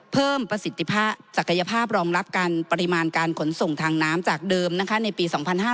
เพิ่มประสิทธิภาพศักยภาพรองรับการปริมาณการขนส่งทางน้ำจากเดิมในปี๒๕๕๙